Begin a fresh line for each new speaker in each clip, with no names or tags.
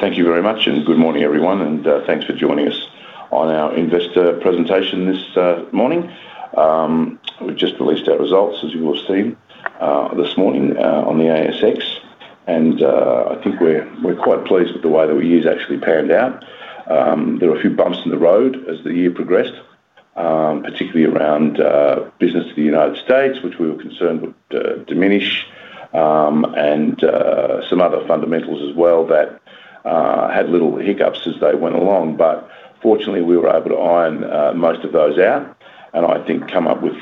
Thank you very much, and good morning everyone, and thanks for joining us on our investor presentation this morning. .We've just released our results, as you will have seen, this morning on the ASX, and I think we're quite pleased with the way that the year's actually panned out. There were a few bumps in the road as the year progressed, particularly around business in the United States, which we were concerned would diminish, and some other fundamentals as well that had little hiccups as they went along. Fortunately, we were able to iron most of those out and, I think, come up with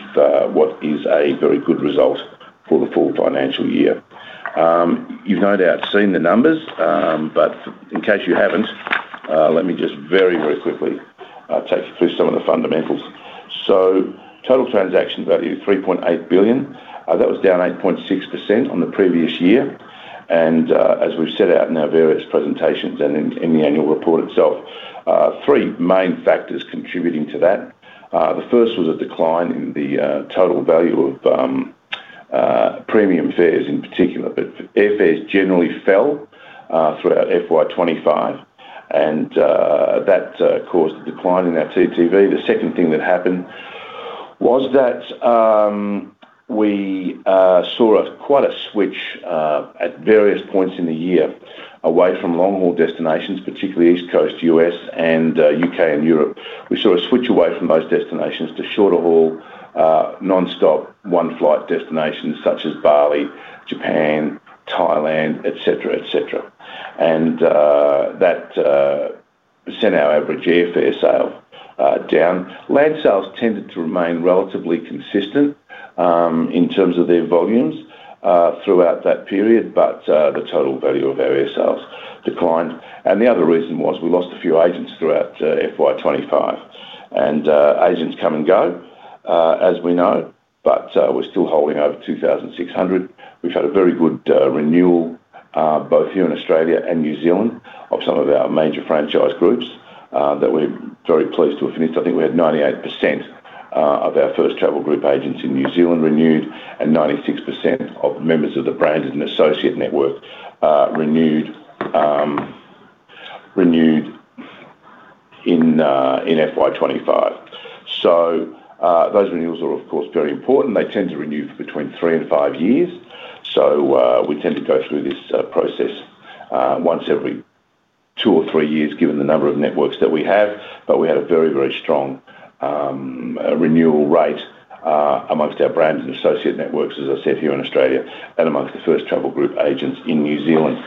what is a very good result for the full financial year. You've no doubt seen the numbers, but in case you haven't, let me just very, very quickly take you through some of the fundamentals. Total transaction value: $3.8 billion That was down 8.6% on the previous year. As we've set out in our various presentations and in the annual report itself, three main factors contributed to that. The first was a decline in the total value of premium fares in particular, but airfares generally fell throughout FY 2025, and that caused a decline in our TTV. The second thing that happened was that we saw quite a switch at various points in the year away from long-haul destinations, particularly East Coast, U.S., UK, and Europe. We saw a switch away from those destinations to shorter-haul, non-stop, one-flight destinations such as Bali, Japan, Thailand, etc., etc., and that sent our average airfare sale down. Land sales tended to remain relatively consistent in terms of their volumes throughout that period, but the total value of our air sales declined. The other reason was we lost a few agents throughout FY 2025, and agents come and go, as we know, but we're still holding over 2,600. We've had a very good renewal both here in Australia and New Zealand of some of our major franchise groups that we're very pleased to have finished. I think we had 98% of our first travel group agents in New Zealand renewed, and 96% of members of the branded and associate network renewed in FY 2025. Those renewals are, of course, very important. They tend to renew between three and five years, so we tend to go through this process once every two or three years, given the number of networks that we have. We had a very, very strong renewal rate amongst our brand and associate networks, as I said, here in Australia, and amongst the first travel group agents in New Zealand.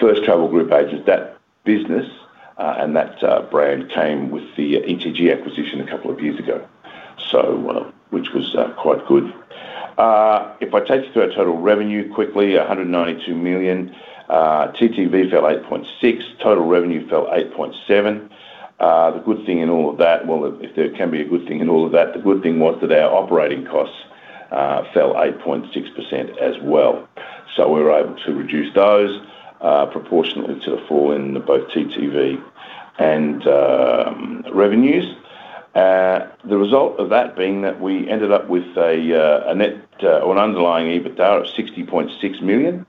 First travel group agents, that business and that brand came with the ETG acquisition a couple of years ago, which was quite good. If I take you through our total revenue quickly, $192 million. TTV fell 8.6%. Total revenue fell 8.7%. The good thing in all of that, if there can be a good thing in all of that, the good thing was that our operating costs fell 8.6% as well. We were able to reduce those proportionately to the fall in both TTV and revenues, the result of that being that we ended up with an underlying EBITDA of $60.6 million,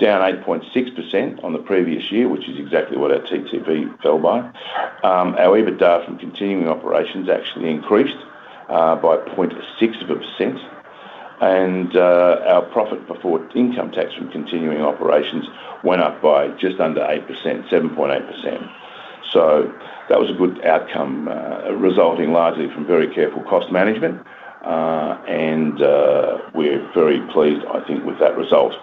down 8.6% on the previous year, which is exactly what our TTV fell by. Our EBITDA from continuing operations actually increased by 0.6%, and our profit before income tax from continuing operations went up by just under 8%, 7.8%. That was a good outcome, resulting largely from very careful cost management, and we're very pleased, I think, with that result.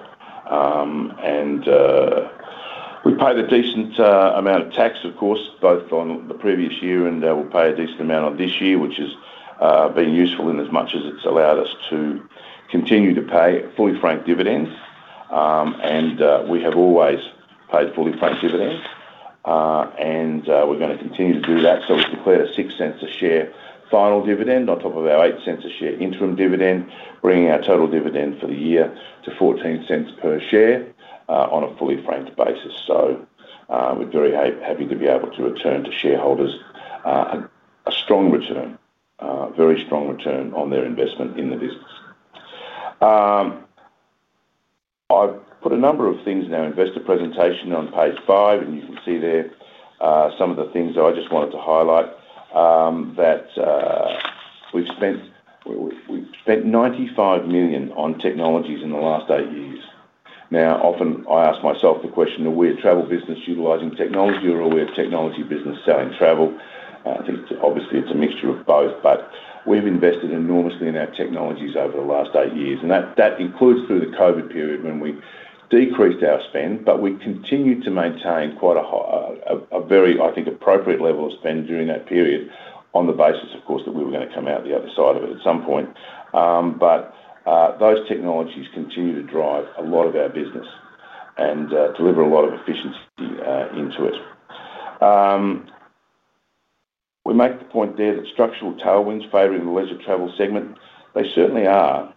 We paid a decent amount of tax, of course, both on the previous year and we'll pay a decent amount on this year, which has been useful in as much as it's allowed us to continue to pay a fully franked dividend. We have always paid fully franked dividends, and we're going to continue to do that. We've declared a $0.06 per share final dividend on top of our $0.08 per share interim dividend, bringing our total dividend for the year to $0.14 per share on a fully franked basis. We're very happy to be able to return to shareholders a strong return, a very strong return on their investment in the business. I've put a number of things in our investor presentation on page five, and you can see there some of the things I just wanted to highlight that we've spent $95 million on technologies in the last eight years. Now, often I ask myself the question, "Are we a travel business utilizing technology, or are we a technology business selling travel?" I think, obviously, it's a mixture of both, but we've invested enormously in our technologies over the last eight years, and that includes through the COVID period when we decreased our spend, but we continued to maintain quite a very, I think, appropriate level of spend during that period on the basis, of course, that we were going to come out the other side of it at some point. Those technologies continue to drive a lot of our business and deliver a lot of efficiency into it. We make the point there that structural tailwinds favoring the leisure travel segment, they certainly are.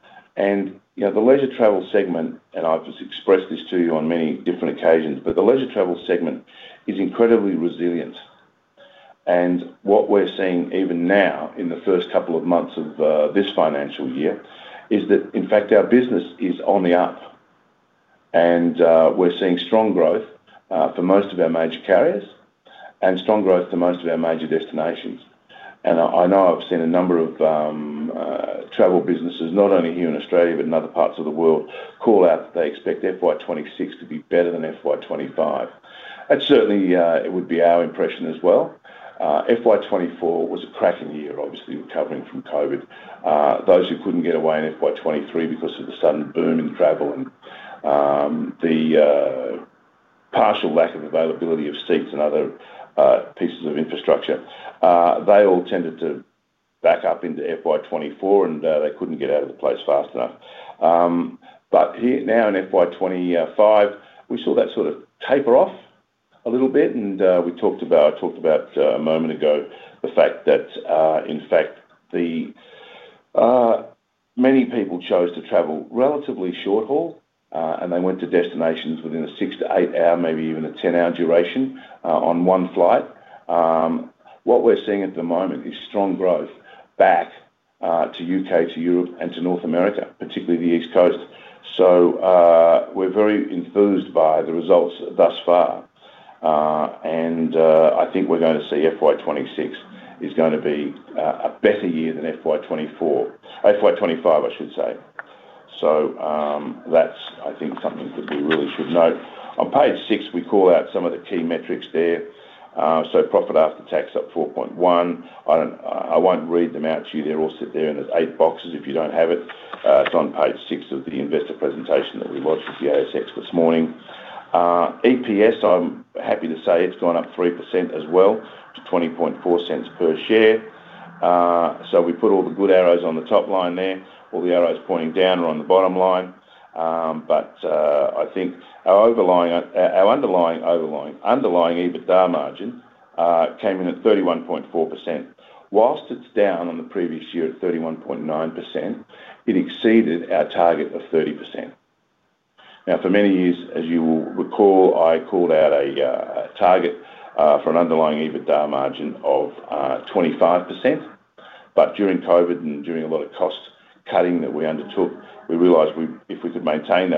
The leisure travel segment, and I've expressed this to you on many different occasions, but the leisure travel segment is incredibly resilient. What we're seeing even now in the first couple of months of this financial year is that, in fact, our business is on the up, and we're seeing strong growth for most of our major carriers and strong growth for most of our major destinations. I know I've seen a number of travel businesses, not only here in Australia but in other parts of the world, call out that they expect FY 2026 to be better than FY 2025. That certainly would be our impression as well. FY 2024 was a cracking year, obviously, recovering from COVID. Those who couldn't get away in FY 2023 because of the sudden boom in travel and the partial lack of availability of seats and other pieces of infrastructure, they all tended to back up into FY 2024, and they couldn't get out of the place fast enough. Here now in FY 2025, we saw that sort of taper off a little bit, and we talked about, I talked about a moment ago, the fact that, in fact, many people chose to travel relatively short haul, and they went to destinations within a six to eight-hour, maybe even a 10-hour duration on one flight. What we're seeing at the moment is strong growth back to UK, to Europe, and to North America, particularly the East Coast. We're very enthused by the results thus far, and I think we're going to see FY 2026 is going to be a better year than FY 2024, FY 2025, I should say. That's, I think, something to be really should note. On page six, we call out some of the key metrics there. Profit after tax up 4.1. I won't read them out to you; they're all sitting there in eight boxes if you don't have it. It's on page six of the investor presentation that we watched at the ASX this morning. EPS, I'm happy to say it's gone up 3% as well to $0.204 per share. We put all the good arrows on the top line there. All the arrows pointing down are on the bottom line. I think our underlying EBITDA margin came in at 31.4%. Whilst it's down on the previous year at 31.9%, it exceeded our target of 30%. For many years, as you will recall, I called out a target for an underlying EBITDA margin of 25%. During COVID and during a lot of cost-cutting that we undertook, we realized if we could maintain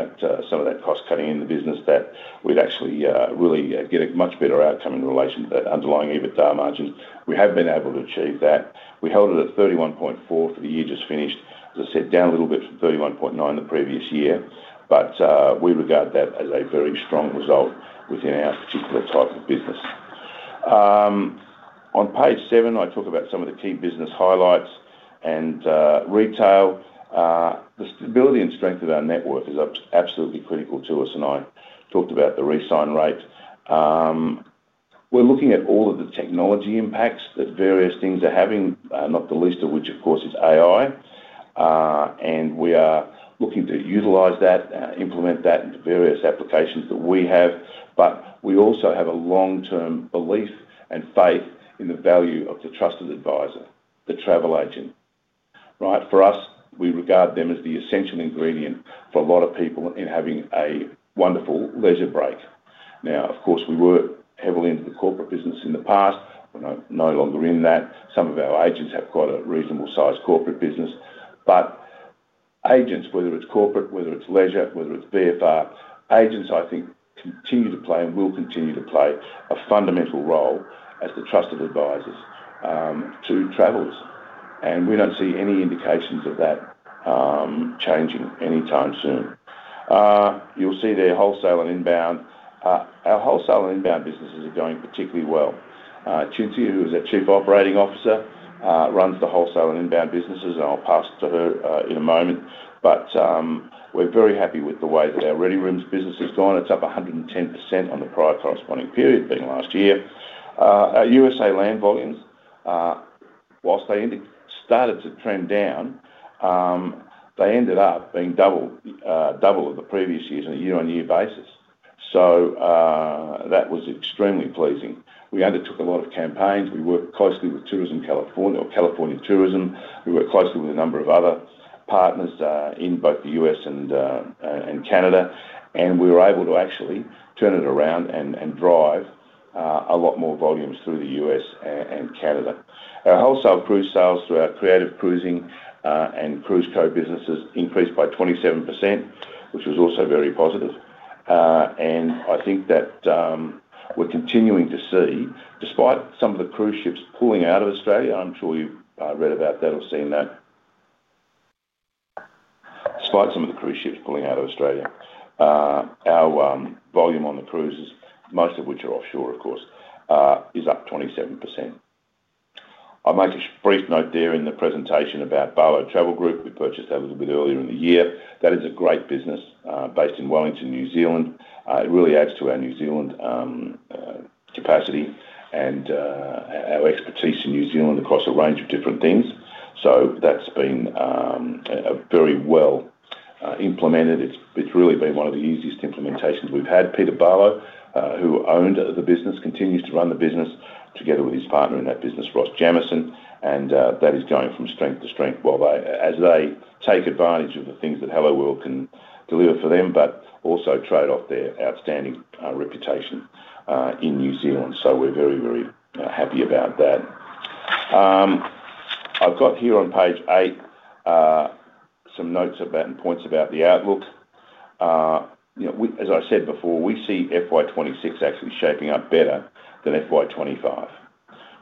some of that cost-cutting in the business, that we'd actually really get a much better outcome in relation to that underlying EBITDA margin. We have been able to achieve that. We held it at 31.4% for the year just finished. As I said, down a little bit from 31.9% the previous year, but we regard that as a very strong result within our particular type of business. On page seven, I talk about some of the key business highlights and retail. The stability and strength of our network is absolutely critical to us, and I talked about the renewal rate. We're looking at all of the technology impacts that various things are having, not the least of which, of course, is AI. We are looking to utilize that, implement that into various applications that we have. We also have a long-term belief and faith in the value of the trusted advisor, the travel agent. For us, we regard them as the essential ingredient for a lot of people in having a wonderful leisure break. Now, of course, we were heavily into the corporate business in the past. We're no longer in that. Some of our agents have got a reasonable-sized corporate business. Agents, whether it's corporate, whether it's leisure, whether it's BFR, agents, I think, continue to play and will continue to play a fundamental role as the trusted advisors to travelers. We don't see any indications of that changing anytime soon. You'll see there wholesale and inbound. Our wholesale and inbound businesses are going particularly well. Cinzia, who is our Chief Operating Officer, runs the wholesale and inbound businesses, and I'll pass to her in a moment. We're very happy with the way that our ReadyRooms business is going. It's up 110% on the prior corresponding period, being last year. Our USA land volumes, whilst they started to trend down, they ended up being double of the previous year on a year-on-year basis. That was extremely pleasing. We undertook a lot of campaigns. We worked closely with Tourism California or California Tourism. We worked closely with a number of other partners in both the U.S. and Canada, and we were able to actually turn it around and drive a lot more volumes through the U.S. and Canada. Our wholesale cruise sales through our Creative Cruising and CruiseCo businesses increased by 27%, which was also very positive. I think that we're continuing to see, despite some of the cruise ships pulling out of Australia, I'm sure you've read about that or seen that. Despite some of the cruise ships pulling out of Australia, our volume on the cruises, most of which are offshore, of course, is up 27%. I make a brief note there in the presentation about Barlow Travel Group. We purchased that a little bit earlier in the year. That is a great business based in Wellington, New Zealand. It really adds to our New Zealand capacity and our expertise in New Zealand across a range of different things. That's been very well implemented. It's really been one of the easiest implementations we've had. Peter Barlow, who owned the business, continues to run the business together with his partner in that business, Ross Jamison, and that is going from strength to strength as they take advantage of the things that Helloworld can deliver for them, but also trade off their outstanding reputation in New Zealand. We're very, very happy about that. I've got here on page eight some notes and points about the outlook. As I said before, we see FY 2026 actually shaping up better than FY 2025.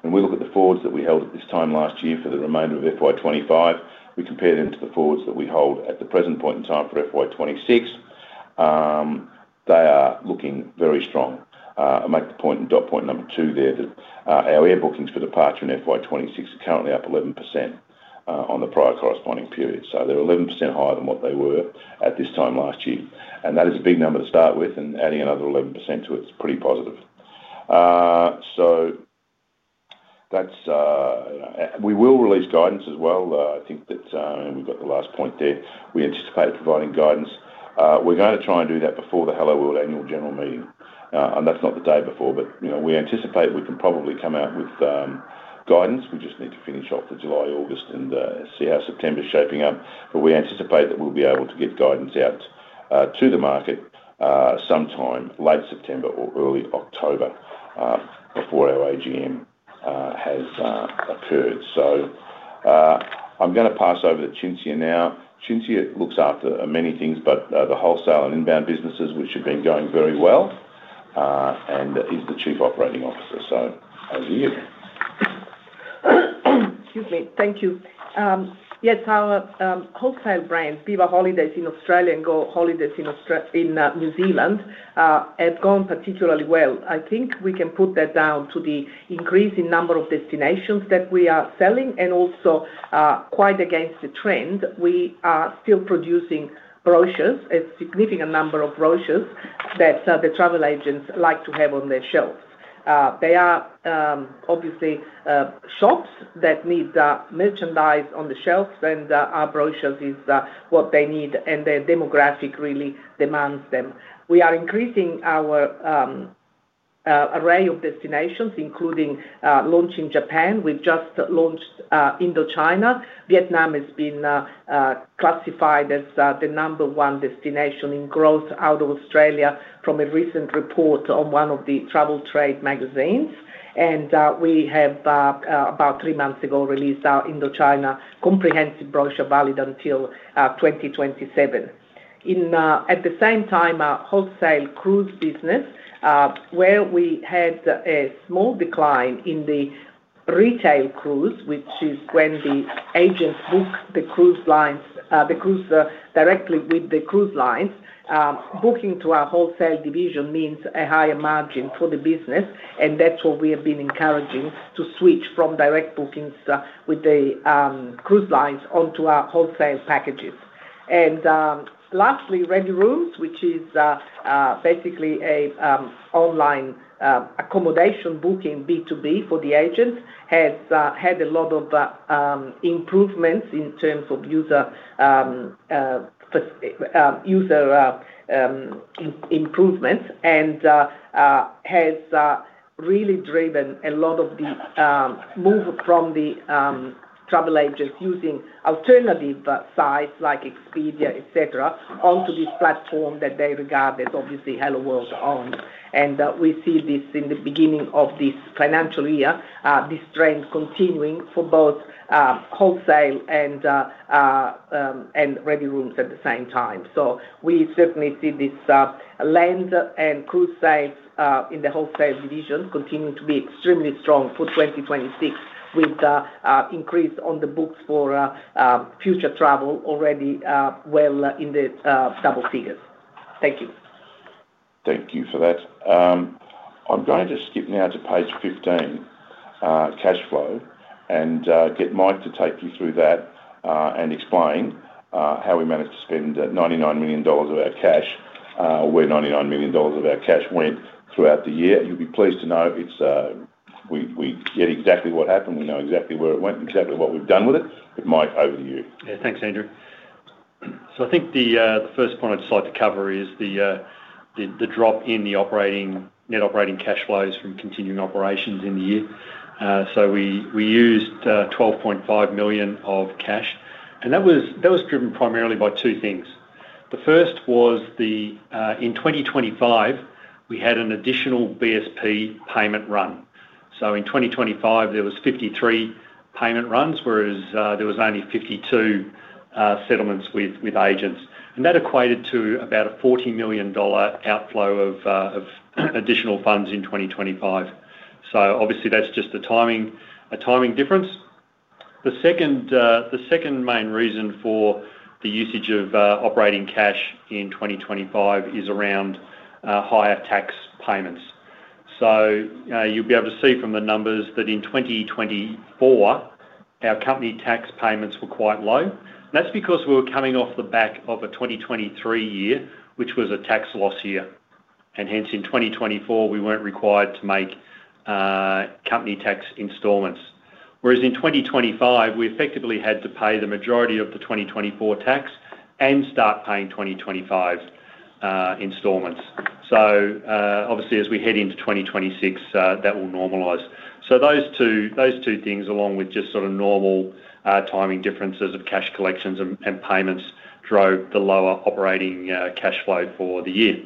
When we look at the forwards that we held at this time last year for the remainder of FY 2025, we compare them to the forwards that we hold at the present point in time for FY 2026. They are looking very strong. I make the point in dot point number two there that our air bookings for departure in FY 2026 are currently up 11% on the prior corresponding period. They're 11% higher than what they were at this time last year. That is a big number to start with, and adding another 11% to it is pretty positive. We will release guidance as well. I think that we've got the last point there. We anticipate providing guidance. We're going to try and do that before the Helloworld Travel annual general meeting. That's not the day before, but we anticipate we can probably come out with guidance. We just need to finish off July, August, and see how September is shaping up. We anticipate that we'll be able to get guidance out to the market sometime late September or early October before our AGM has occurred. I'm going to pass over to Cinzia now. Cinzia looks after many things, but the wholesale and inbound businesses, which have been going very well, and is the Chief Operating Officer. Over to you.
Excuse me. Thank you. Yes, our wholesale brands, Viva Holidays in Australia and Go Holidays in New Zealand, have gone particularly well. I think we can put that down to the increasing number of destinations that we are selling and also quite against the trend. We are still producing brochures, a significant number of brochures that the travel agents like to have on their shelves. They are obviously shops that need merchandise on the shelves, and our brochures are what they need, and their demographic really demands them. We are increasing our array of destinations, including launching Japan. We've just launched Indochina. Vietnam has been classified as the number one destination in growth out of Australia from a recent report on one of the travel trade magazines. We have, about three months ago, released our Indochina comprehensive brochure valid until 2027. At the same time, our wholesale cruise business, where we had a small decline in the retail cruise, which is when the agents book the cruise lines, the cruise directly with the cruise lines, booking to our wholesale division means a higher margin for the business. That is what we have been encouraging, to switch from direct bookings with the cruise lines onto our wholesale packages. Lastly, ReadyRooms, which is basically an online accommodation booking B2B for the agents, has had a lot of improvements in terms of user improvements and has really driven a lot of the move from the travel agents using alternative sites like Expedia, etc., onto this platform that they regard as obviously Helloworld on. We see this in the beginning of this financial year, this trend continuing for both wholesale and ReadyRooms at the same time. We certainly see this land and cruise sales in the wholesale division continuing to be extremely strong for 2026, with an increase on the books for future travel already well in the double figures. Thank you.
Thank you for that. I'm going to skip now to page 15, cash flow, and get Mike to take you through that and explain how we managed to spend $99 million of our cash, where $99 million of our cash went throughout the year. You'll be pleased to know we know exactly what happened, we know exactly where it went, and exactly what we've done with it. Mike, over to you.
Yeah, thanks, Andrew. I think the first point I'd just like to cover is the drop in the net operating cash flows from continuing operations in the year. We used $12.5 million of cash, and that was driven primarily by two things. The first was in 2025, we had an additional BSP payment run. In 2025, there were 53 payment runs, whereas there were only 52 settlements with agents. That equated to about a $40 million outflow of additional funds in 2025. Obviously, that's just a timing difference. The second main reason for the usage of operating cash in 2025 is around higher tax payments. You'll be able to see from the numbers that in 2024, our company tax payments were quite low. That's because we were coming off the back of a 2023 year, which was a tax loss year. Hence, in 2024, we weren't required to make company tax installments, whereas in 2025, we effectively had to pay the majority of the 2024 tax and start paying 2025 installments. Obviously, as we head into 2026, that will normalize. Those two things, along with just sort of normal timing differences of cash collections and payments, drove the lower operating cash flow for the year.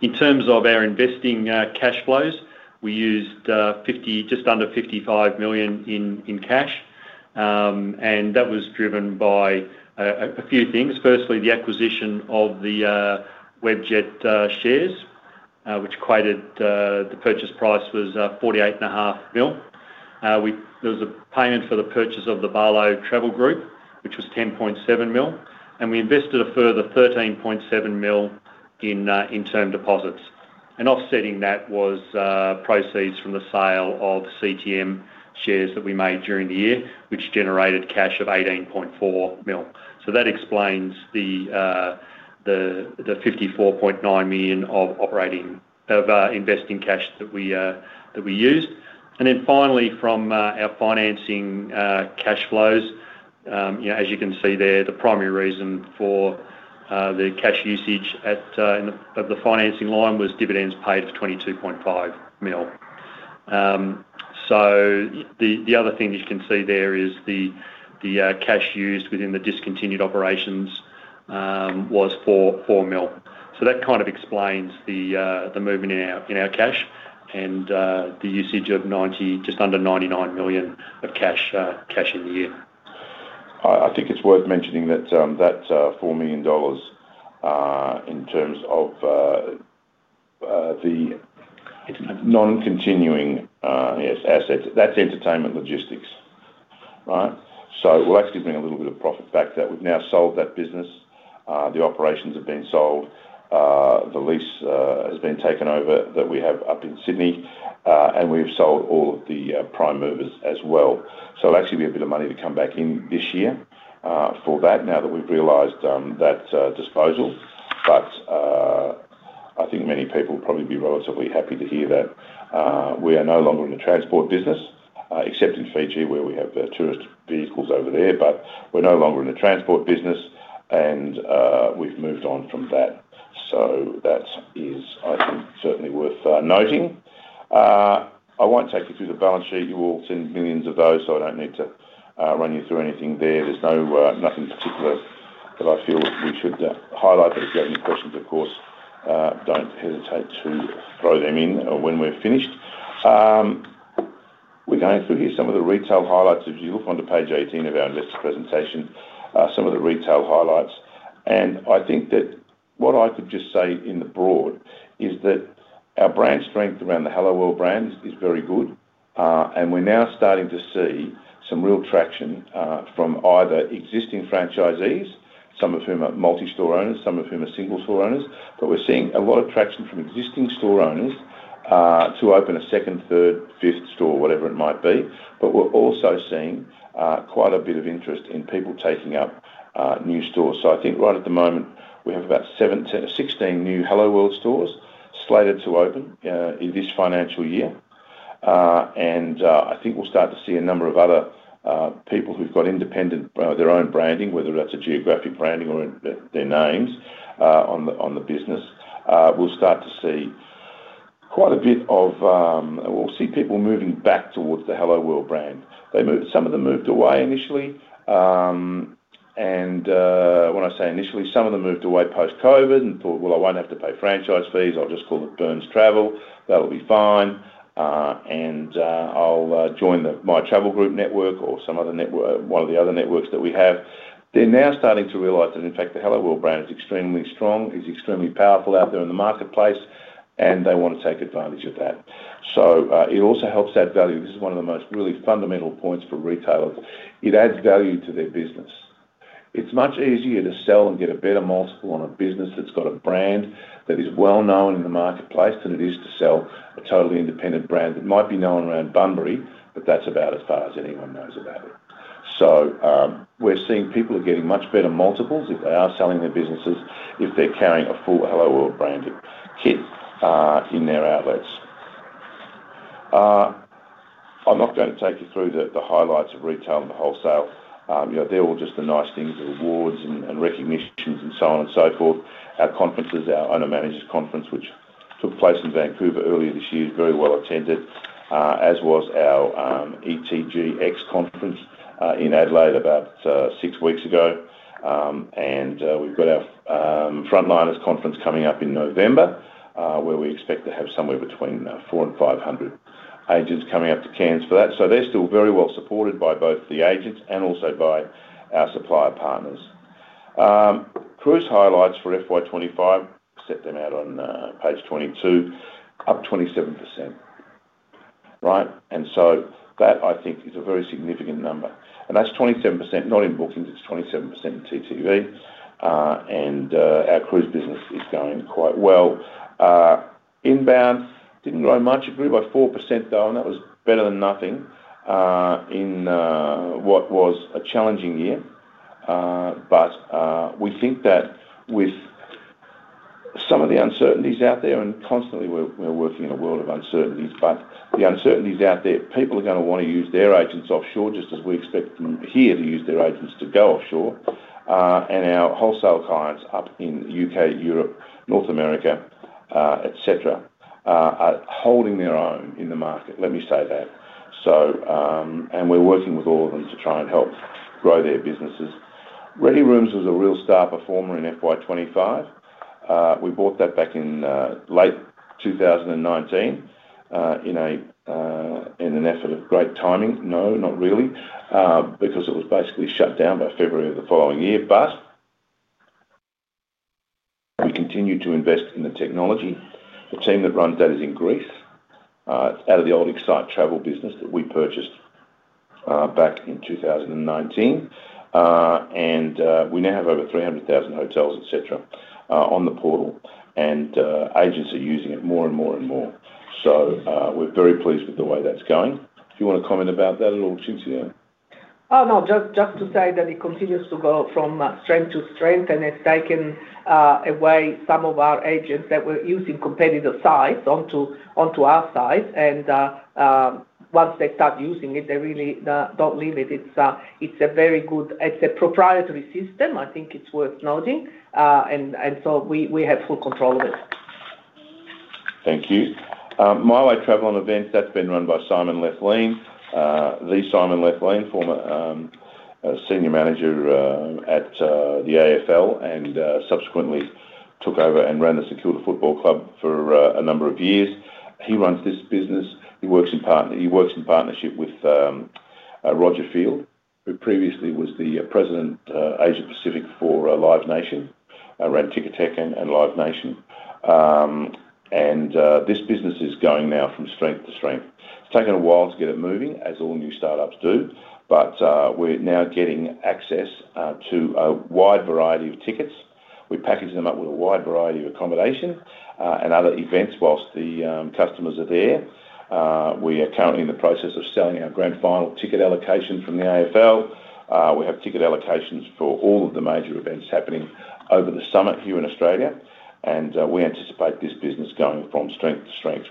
In terms of our investing cash flows, we used just under $55 million in cash, and that was driven by a few things. Firstly, the acquisition of the Webjet shares, which equated the purchase price was $48.5 million. There was a payment for the purchase of the Barlow Travel Group, which was $10.7 million. We invested a further $13.7 million in interim deposits. Offsetting that was proceeds from the sale of CTM shares that we made during the year, which generated cash of $18.4 million. That explains the $54.9 million of investing cash that we used. Finally, from our financing cash flows, as you can see there, the primary reason for the cash usage at the financing line was dividends paid for $22.5 million. The other thing you can see there is the cash used within the discontinued operations was for $4 million. That kind of explains the movement in our cash and the usage of just under $99 million of cash in the year.
I think it's worth mentioning that $4 million in terms of the non-continuing assets, that's entertainment logistics. We're actually bringing a little bit of profit back there. We've now sold that business. The operations have been sold. The lease has been taken over that we have up in Sydney, and we've sold all of the prime movers as well. It'll actually be a bit of money to come back in this year for that now that we've realized that disposal. I think many people will probably be relatively happy to hear that we are no longer in the transport business, except in Fiji, where we have tourist vehicles over there. We're no longer in the transport business, and we've moved on from that. That is, I think, certainly worth noting. I won't take you through the balance sheet. You all send millions of those, so I don't need to run you through anything there. There's nothing particular that I feel we should highlight. If you have any questions, of course, don't hesitate to throw them in when we're finished. We're going through here some of the retail highlights. If you look onto page 18 of our investor presentation, some of the retail highlights. I think that what I could just say in the broad is that our brand strength around the Helloworld brand is very good. We're now starting to see some real traction from either existing franchisees, some of whom are multi-store owners, some of whom are single-store owners. We're seeing a lot of traction from existing store owners to open a second, third, fifth store, whatever it might be. We're also seeing quite a bit of interest in people taking up new stores. I think right at the moment, we have about 16 new Helloworld stores slated to open this financial year. I think we'll start to see a number of other people who've got independent their own branding, whether that's a geographic branding or their names on the business. We'll start to see quite a bit of people moving back towards the Helloworld brand. Some of them moved away initially. When I say initially, some of them moved away post-COVID and thought, "I won't have to pay franchise fees. I'll just call it Burnes Travel. That'll be fine." "I'll join My Travel Group network or some other network, one of the other networks that we have." They're now starting to realize that, in fact, the Helloworld brand is extremely strong, is extremely powerful out there in the marketplace, and they want to take advantage of that. It also helps add value. This is one of the most really fundamental points for retailers. It adds value to their business. It's much easier to sell and get a better multiple on a business that's got a brand that is well known in the marketplace than it is to sell a totally independent brand that might be known around Bunbury, but that's about as far as anyone knows about it. We're seeing people are getting much better multiples if they are selling their businesses if they're carrying a full Helloworld branded kit in their outlets. I'm not going to take you through the highlights of retail and the wholesale. They're all just the nice things of awards and recognitions and so on and so forth. Our conferences, our Owner-Manager's Conference, which took place in Vancouver earlier this year, is very well attended, as was our ETGX conference in Adelaide about six weeks ago. We've got our Frontliners Conference coming up in November, where we expect to have somewhere between 400 and 500 agents coming up to Cairns for that. They're still very well supported by both the agents and also by our supplier partners. Cruise highlights for FY 2025, set them out on page 22, up 27%. That, I think, is a very significant number. That's 27%, not in bookings, it's 27% in TTV. Our cruise business is going quite well. Inbound didn't grow much, it grew by 4% though, and that was better than nothing in what was a challenging year. We think that with some of the uncertainties out there, and constantly we're working in a world of uncertainties, the uncertainties out there, people are going to want to use their agents offshore, just as we expect them here to use their agents to go offshore. Our wholesale clients up in the UK, Europe, North America, etc., are holding their own in the market. Let me say that. We're working with all of them to try and help grow their businesses. ReadyRooms was a real star performer in FY 2025. We bought that back in late 2019 in an effort of great timing. No, not really, because it was basically shut down by February of the following year. We continue to invest in the technology. The team that runs that is in Greece. It's out of the old Excite Travel business that we purchased back in 2019. We now have over 300,000 hotels, etc., on the portal. Agents are using it more and more. We're very pleased with the way that's going. If you want to comment about that at all, Cinzia?
No, just to say that it continues to go from strength to strength, and it's taken away some of our agents that were using competitor sites onto our sites. Once they start using it, they really don't leave it. It's very good, it's a proprietary system. I think it's worth noting, and we have full control of it.
Thank you. My Way Travel & Events, that's been run by Simon Lethlean. Simon Lethlean, former Senior Manager at the AFL, and subsequently took over and ran the St Kilda Football Club for a number of years. He runs this business. He works in partnership with Roger Field, who previously was the President of Asia Pacific for Live Nation, ran Ticketek and Live Nation. This business is going now from strength to strength. It's taken a while to get it moving, as all new startups do. We're now getting access to a wide variety of tickets. We package them up with a wide variety of accommodation and other events whilst the customers are there. We are currently in the process of selling our grand final ticket allocation from the AFL. We have ticket allocations for all of the major events happening over the summer here in Australia. We anticipate this business going from strength to strength.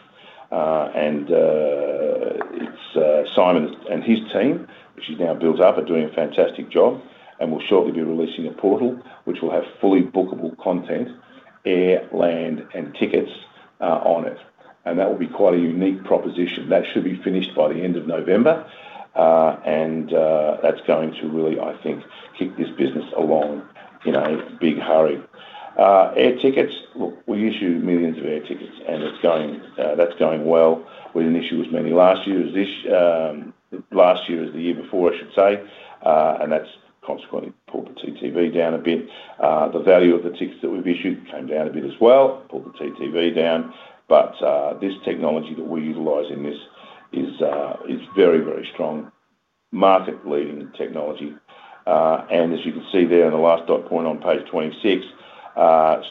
Simon and his team, which he now builds up, are doing a fantastic job. We'll shortly be releasing a portal, which will have fully bookable content, air, land, and tickets on it. That will be quite a unique proposition. That should be finished by the end of November. That's going to really, I think, kick this business along in a big hurry. Air tickets, we issue millions of air tickets, and that's going well. We didn't issue as many last year. Last year is the year before, I should say. That's consequently pulled the TTV down a bit. The value of the tickets that we've issued came down a bit as well, pulled the TTV down. This technology that we're utilizing, it's very, very strong market-leading technology. As you can see there in the last dot point on page 26,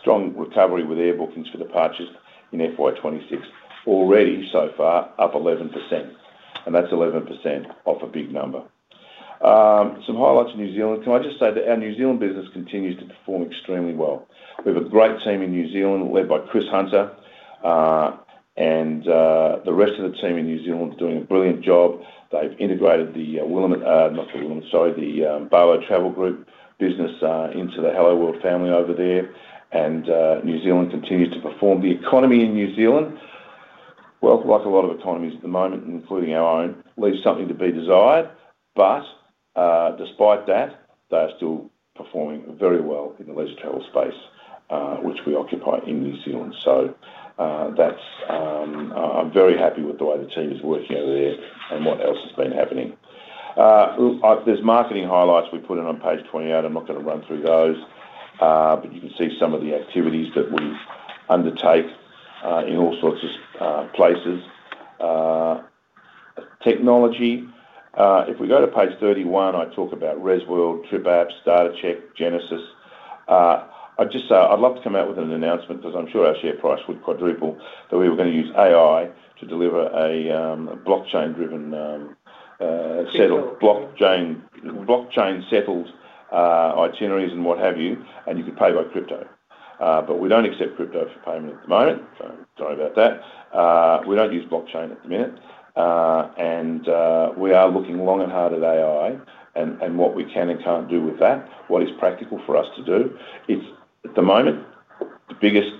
strong recovery with air bookings for departures in FY 2026 already so far up 11%. That's 11% off a big number. Some highlights in New Zealand. Can I just say that our New Zealand business continues to perform extremely well? We have a great team in New Zealand led by Chris Hunter. The rest of the team in New Zealand are doing a brilliant job. They've integrated the Barlow Travel Group business into the Helloworld family over there. New Zealand continues to perform. The economy in New Zealand, like a lot of economies at the moment, including our own, leaves something to be desired. Despite that, they are still performing very well in the leisure travel space, which we occupy in New Zealand. I'm very happy with the way the team is working over there and what else has been happening. There are marketing highlights we put in on page 28. I'm not going to run through those, but you can see some of the activities that we've undertaken in all sorts of places. Technology, if we go to page 31, I talk about ResWorld, TripApps, DataCheck, Genesys. I'd just say I'd love to come out with an announcement because I'm sure our share price would quadruple if we were going to use AI to deliver a blockchain-driven, blockchain-settled itineraries and what have you, and you could pay by crypto. We don't accept crypto for payment at the moment, so sorry about that. We don't use blockchain at the minute. We are looking long and hard at AI and what we can and can't do with that, what is practical for us to do. At the moment, the biggest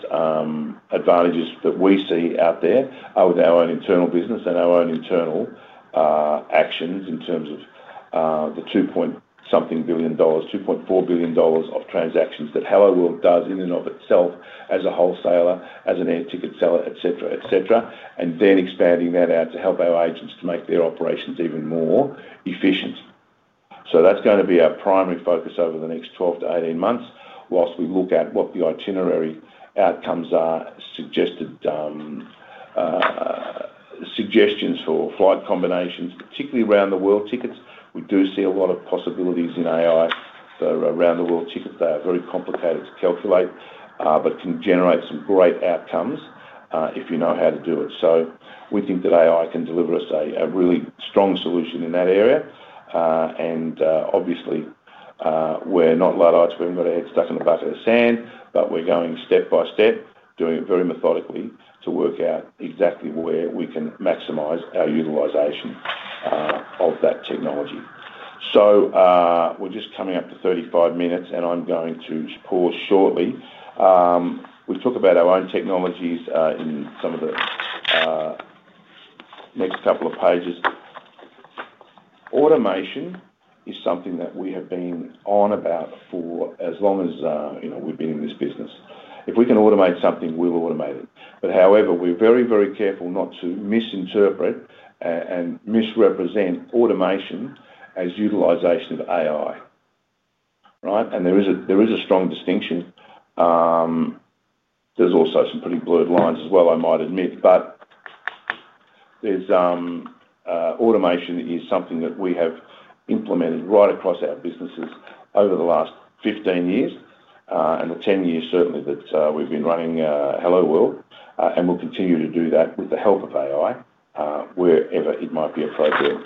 advantages that we see out there are with our own internal business and our own internal actions in terms of the $2.4 billion of transactions that Helloworld does in and of itself as a wholesaler, as an air ticket seller, etc., etc., and then expanding that out to help our agents to make their operations even more efficient. That's going to be our primary focus over the next 12 months-18 months whilst we look at what the itinerary outcomes are, suggestions for flight combinations, particularly around the world tickets. We do see a lot of possibilities in AI for around the world tickets. They are very complicated to calculate, but can generate some great outcomes if you know how to do it. We think that AI can deliver us a really strong solution in that area. Obviously, we're not light-eyed; we haven't got our head stuck in a bucket of sand, but we're going step by step, doing it very methodically to work out exactly where we can maximize our utilization of that technology. We're just coming up to 35 minutes, and I'm going to pause shortly. We talk about our own technologies in some of the next couple of pages. Automation is something that we have been on about for as long as we've been in this business. If we can automate something, we will automate it. However, we're very, very careful not to misinterpret and misrepresent automation as utilization of AI. There is a strong distinction. There are also some pretty blurred lines as well, I might admit. Automation is something that we have implemented right across our businesses over the last 15 years and the 10 years, certainly, that we've been running Helloworld. We'll continue to do that with the help of AI wherever it might be appropriate.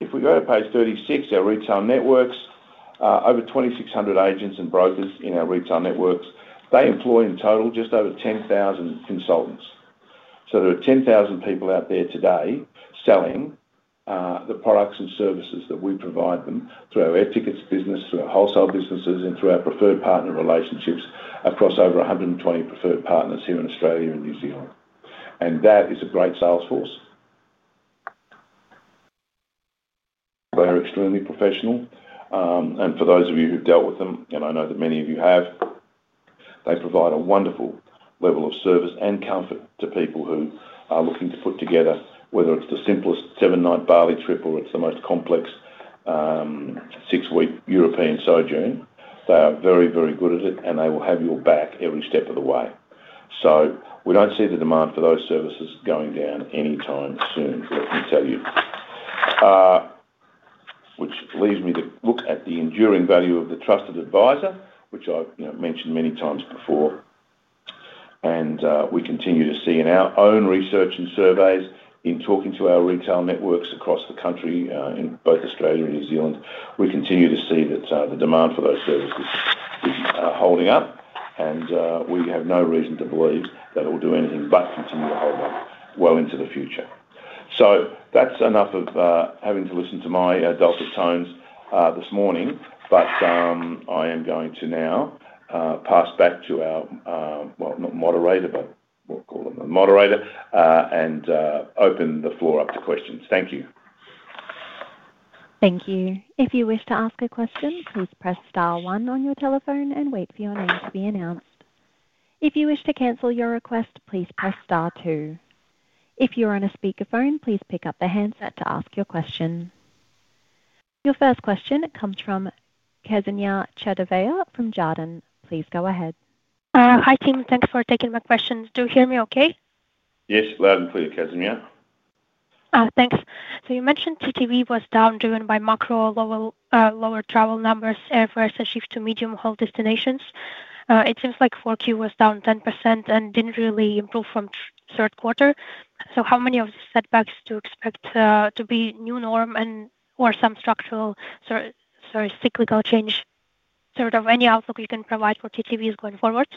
If we go to page 36, our retail networks, over 2,600 agents and brokers in our retail networks, employ in total just over 10,000 consultants. There are 10,000 people out there today selling the products and services that we provide them through our air tickets business, through our wholesale businesses, and through our preferred partner relationships across over 120 preferred partners here in Australia and New Zealand. That is a great sales force. They're extremely professional. For those of you who've dealt with them, and I know that many of you have, they provide a wonderful level of service and comfort to people who are looking to put together, whether it's the simplest seven-night Bali trip or it's the most complex six-week European sojourn. They are very, very good at it, and they will have your back every step of the way. We don't see the demand for those services going down anytime soon, I can tell you. Which leads me to look at the enduring value of the trusted advisor, which I've mentioned many times before. We continue to see in our own research and surveys, in talking to our retail networks across the country in both Australia and New Zealand, we continue to see that the demand for those services is holding up. We have no reason to believe that it will do anything but continue to hold up well into the future. That's enough of having to listen to my adulted tones this morning. I am going to now pass back to our, well, not moderator, but we'll call them a moderator and open the floor up to questions. Thank you.
Thank you. If you wish to ask a question, please press star one on your telephone and wait for your name to be announced. If you wish to cancel your request, please press star two. If you're on a speakerphone, please pick up the handset to ask your question. Your first question comes from Kazimier Czerwejo from Jarden. Please go ahead.
Hi, team. Thanks for taking my question. Do you hear me okay?
Yes, loud and clear, Kazimier.
Thanks. You mentioned TTV was down driven by macro or lower travel numbers versus shift to medium haul destinations. It seems like 4Q was down 10% and didn't really improve from third quarter. How many of these setbacks do you expect to be new norm and/or some structural, sorry, cyclical change? Any outlook you can provide for TTVs going forward?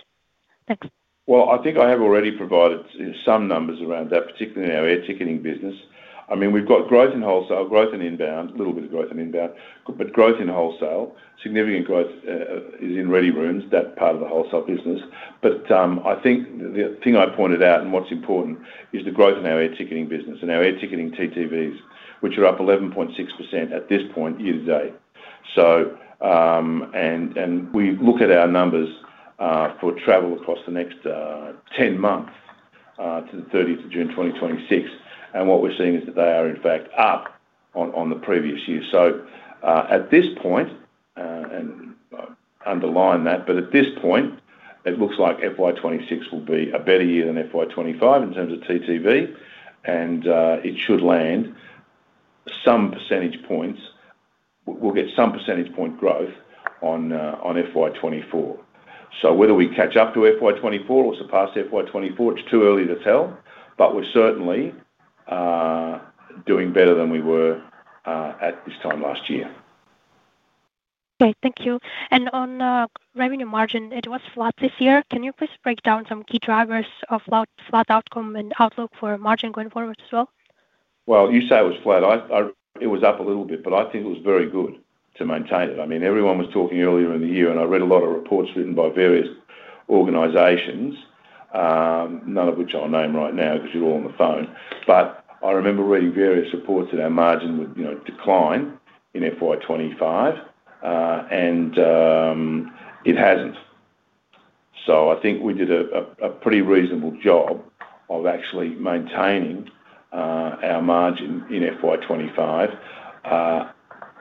Thanks.
I think I have already provided some numbers around that, particularly in our air ticketing business. I mean, we've got growth in wholesale, growth in inbound, a little bit of growth in inbound, but growth in wholesale, significant growth is in ReadyRooms, that part of the wholesale business. I think the thing I'd point out and what's important is the growth in our air ticketing business and our air ticketing TTVs, which are up 11.6% at this point, year to date. We look at our numbers for travel across the next 10 months to the 30th of June 2026, and what we're seeing is that they are, in fact, up on the previous year. At this point, and I underline that, at this point, it looks like FY 2026 will be a better year than FY 2025 in terms of TTV. It should land some percentage points. We'll get some percentage point growth on FY 2024. Whether we catch up to FY 2024 or surpass FY 2024, it's too early to tell. We're certainly doing better than we were at this time last year.
Okay, thank you. On revenue margin, it was flat this year. Can you please break down some key drivers of the flat outcome and outlook for margin going forward as well?
It was up a little bit, but I think it was very good to maintain it. I mean, everyone was talking earlier in the year, and I read a lot of reports written by various organizations, none of which I'll name right now because you're all on the phone. I remember reading various reports that our margin would decline in FY 2025, and it hasn't. I think we did a pretty reasonable job of actually maintaining our margin in FY 2025.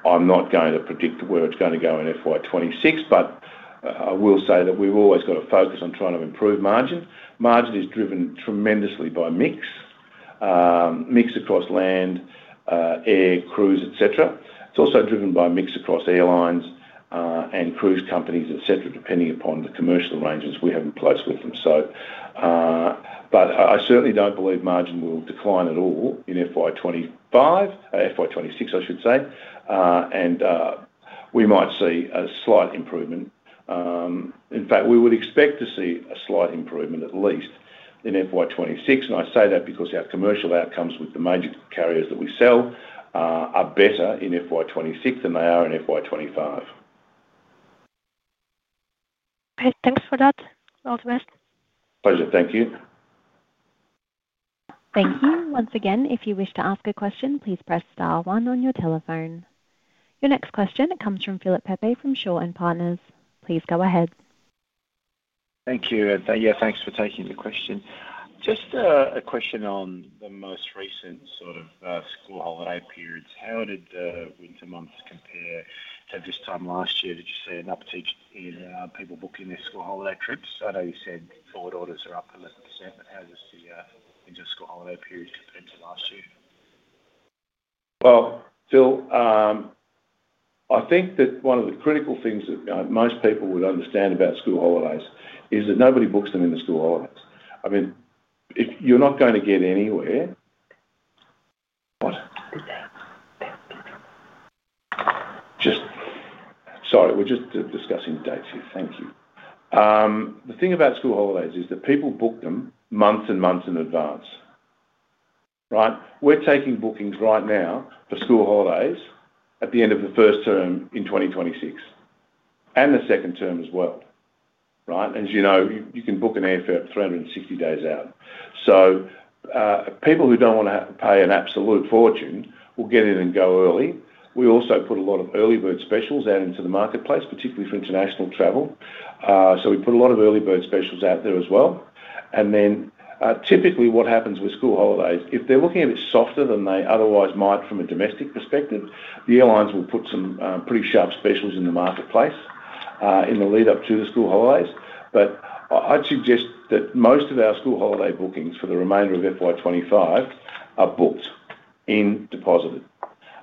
I'm not going to predict where it's going to go in FY 2026, but I will say that we've always got to focus on trying to improve margin. Margin is driven tremendously by mix, mix across land, air, cruise, etc. It's also driven by mix across airlines and cruise companies, etc., depending upon the commercial arrangements we have in place with them. I certainly don't believe margin will decline at all in FY 2025, FY 2026, I should say. We might see a slight improvement. In fact, we would expect to see a slight improvement at least in FY 2026. I say that because our commercial outcomes with the major carriers that we sell are better in FY 2026 than they are in FY 2025.
Okay, thanks for that. All the best.
Pleasure. Thank you.
Thank you. Once again, if you wish to ask a question, please press star one on your telephone. Your next question comes from Philip Pepe from Shaw and Partners. Please go ahead.
Thank you. Yeah, thanks for taking the question. Just a question on the most recent sort of school holiday periods. How did the winter months compare to this time last year? Did you see an uptick in people booking their school holiday trips? I know you said forward orders are up 11%, but how does the school holiday period compare to last year?
I think that one of the critical things that most people would understand about school holidays is that nobody books them in the school holidays. I mean, if you're not going to get anywhere.
Sorry, we're just discussing the dates here. Thank you.
The thing about school holidays is that people book them months and months in advance. We're taking bookings right now for school holidays at the end of the first term in 2026 and the second term as well. As you know, you can book an airfare for 360 days out. People who don't want to pay an absolute fortune will get in and go early. We also put a lot of early bird specials out into the marketplace, particularly for international travel. We put a lot of early bird specials out there as well. Typically, what happens with school holidays, if they're looking a bit softer than they otherwise might from a domestic perspective, the airlines will put some pretty sharp specials in the marketplace in the lead-up to the school holidays. I'd suggest that most of our school holiday bookings for the remainder of FY 2025 are booked and deposited.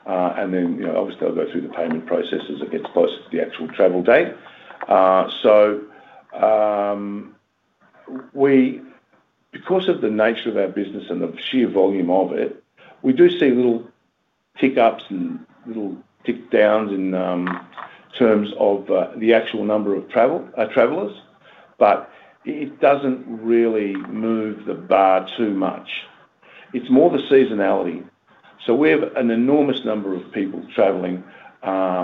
Obviously, they'll go through the payment process as it gets closer to the actual travel date. Because of the nature of our business and the sheer volume of it, we do see little tick-ups and little tick-downs in terms of the actual number of travelers, but it doesn't really move the bar too much. It's more the seasonality. We have an enormous number of people traveling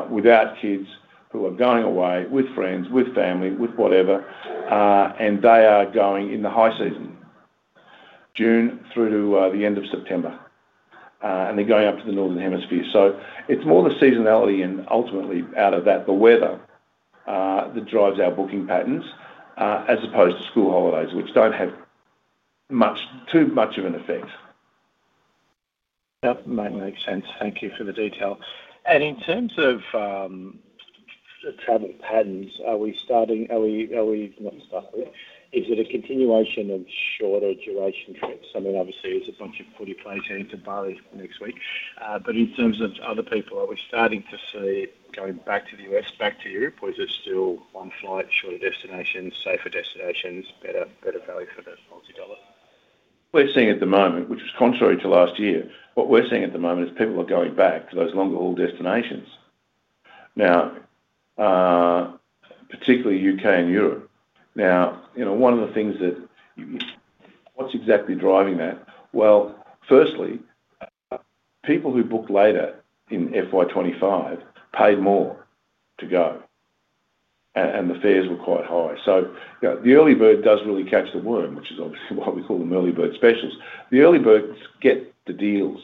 without kids who are going away with friends, with family, with whatever, and they are going in the high season, June through to the end of September, and they're going up to the northern hemisphere. It's more the seasonality and ultimately out of that, the weather that drives our booking patterns as opposed to school holidays, which don't have too much of an effect.
That makes sense. Thank you for the detail. In terms of the travel patterns, are we starting? Are we not starting yet? Is it a continuation of shorter duration trips? Obviously, there's a bunch of footy planes heading to Bali next week. In terms of other people, are we starting to see going back to the U.S., back to Europe, or is it still one flight, shorter destinations, safer destinations, better value for the multi-dollar?
We're seeing at the moment, which is contrary to last year, what we're seeing at the moment is people are going back to those longer-haul destinations, particularly UK and Europe. Now, you know, one of the things that what's exactly driving that? Firstly, people who booked later in FY 2025 paid more to go, and the fares were quite high. The early bird does really catch the worm, which is obviously why we call them early bird specials. The early birds get the deals.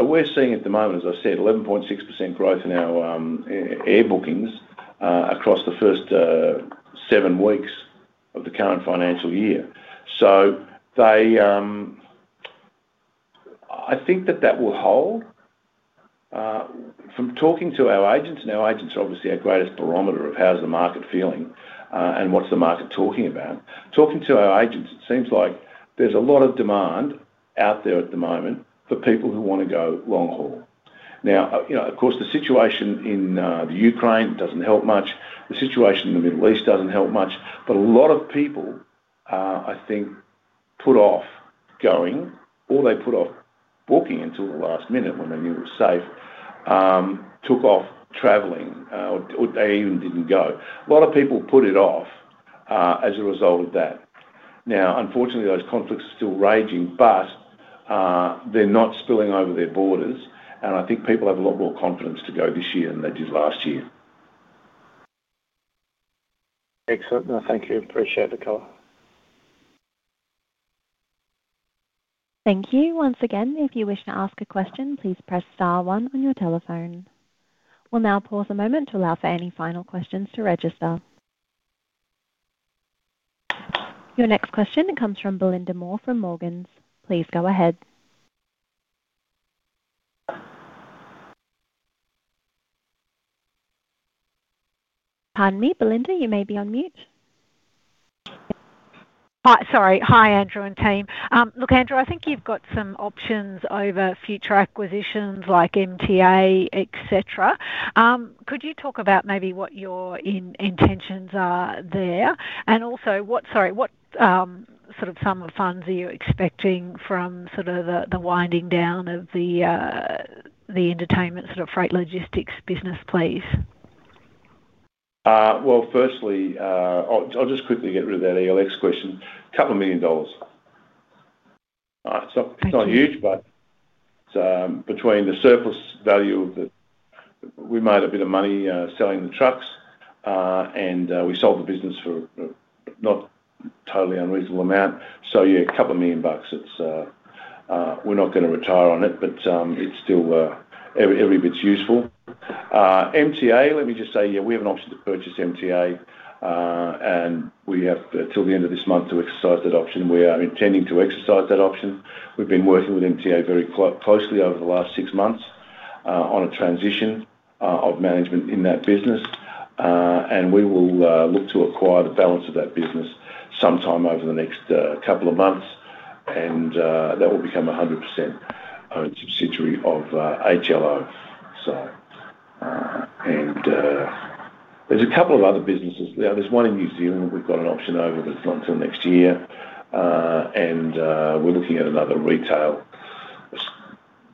We're seeing at the moment, as I said, 11.6% growth in our air bookings across the first seven weeks of the current financial year. I think that that will hold. From talking to our agents, and our agents are obviously our greatest barometer of how's the market feeling and what's the market talking about, talking to our agents, it seems like there's a lot of demand out there at the moment for people who want to go long haul. Of course, the situation in Ukraine doesn't help much. The situation in the Middle East doesn't help much. A lot of people, I think, put off going, or they put off booking until the last minute when they knew it was safe, took off traveling, or they even didn't go. A lot of people put it off as a result of that. Unfortunately, those conflicts are still raging, but they're not spilling over their borders. I think people have a lot more confidence to go this year than they did last year.
Excellent. No, thank you. Appreciate the call.
Thank you. Once again, if you wish to ask a question, please press star one on your telephone. We'll now pause a moment to allow for any final questions to register. Your next question comes from Belinda Moore from Morgan's. Please go ahead. Pardon me, Belinda, you may be on mute.
Hi, Andrew and team. Look, Andrew, I think you've got some options over future acquisitions like MTA, etc. Could you talk about maybe what your intentions are there? Also, what sort of sum of funds are you expecting from the winding down of the entertainment freight logistics business, please?
Firstly, I'll just quickly get rid of that ALX question. A couple of million dollars. It's not huge, but it's between the surplus value that we made a bit of money selling the trucks, and we sold the business for a not totally unreasonable amount. Yeah, a couple of million bucks. We're not going to retire on it, but it's still every bit useful. MTA, let me just say, we have an option to purchase MTA, and we have till the end of this month to exercise that option. We are intending to exercise that option. We've been working with MTA very closely over the last six months on a transition of management in that business. We will look to acquire the balance of that business sometime over the next couple of months, and that will become a 100% owned subsidiary of HLO. There's a couple of other businesses. There's one in New Zealand we've got an option over that's not until next year. We're looking at another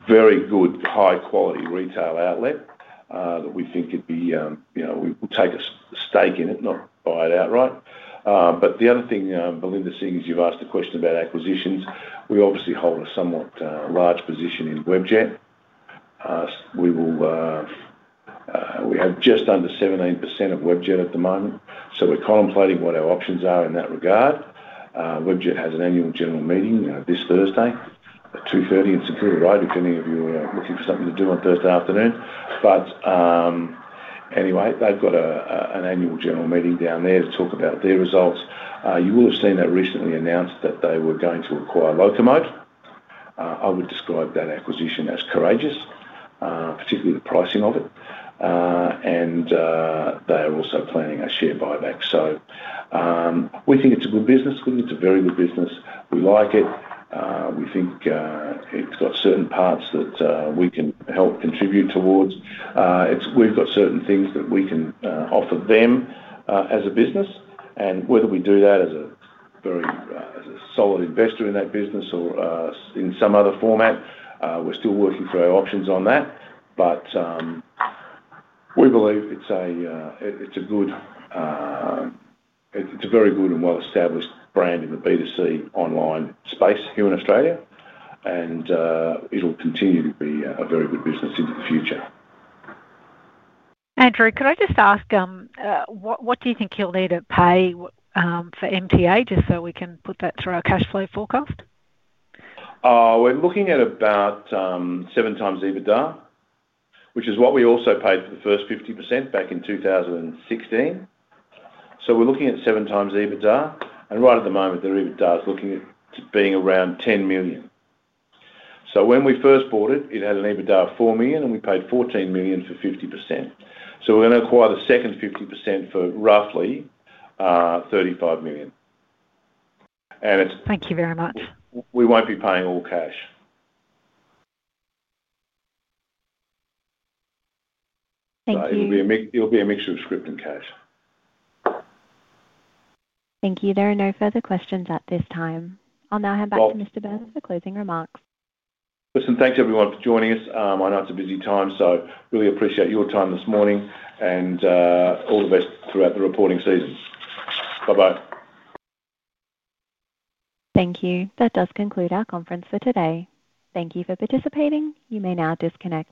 very good, high-quality retail outlet that we think could be, you know, we'll take a stake in it, not buy it outright. The other thing, Belinda since you've asked a question about acquisitions. We obviously hold a somewhat large position in Webjet. We have just under 17% of Webjet at the moment. We're contemplating what our options are in that regard. Webjet has an annual general meeting this Thursday at 2:30 P.M. It's a little late if any of you are looking for something to do on Thursday afternoon. They've got an annual general meeting down there to talk about their results. You will have seen that they recently announced that they were going to acquire Locomote. I would describe that acquisition as courageous, particularly the pricing of it. They are also planning a share buyback. We think it's a good business. We think it's a very good business. We like it. We think it's got certain parts that we can help contribute towards. We've got certain things that we can offer them as a business. Whether we do that as a very solid investor in that business or in some other format, we're still working through our options on that. We believe it's a very good and well-established brand in the B2C online space here in Australia. It'll continue to be a very good business into the future.
Andrew, could I just ask, what do you think you'll need to pay for MTA just so we can put that through our cash flow forecast?
We're looking at about seven times EBITDA, which is what we also paid for the first 50% back in 2016. We're looking at seven times EBITDA. Right at the moment, their EBITDA is looking at being around $10 million. When we first bought it, it had an EBITDA of $4 million, and we paid $14 million for 50%. We're going to acquire the second 50% for roughly $35 million.
Thank you very much.
We won't be paying all cash.
Thank you.
It'll be a mixture of script and cash.
Thank you. There are no further questions at this time. I'll now hand back to Mr. Burnes for closing remarks.
Listen, thanks everyone for joining us. I know it's a busy time, so really appreciate your time this morning, and all the best throughout the reporting season. Bye-bye.
Thank you. That does conclude our conference for today. Thank you for participating. You may now disconnect.